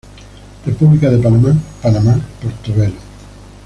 República de Panamá: Panamá, Portobelo.